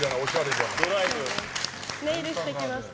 ネイルしてきました。